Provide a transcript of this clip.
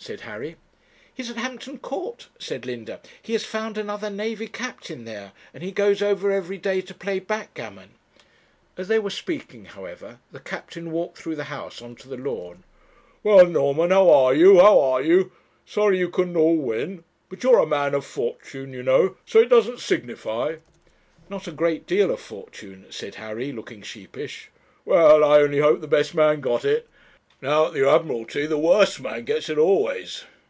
said Harry. 'He's at Hampton Court,' said Linda; 'he has found another navy captain there, and he goes over every day to play backgammon.' As they were speaking, however, the captain walked through the house on to the lawn. 'Well, Norman, how are you, how are you? sorry you couldn't all win. But you're a man of fortune, you know, so it doesn't signify.' 'Not a great deal of fortune,' said Harry, looking sheepish. 'Well, I only hope the best man got it. Now, at the Admiralty the worst man gets it always.'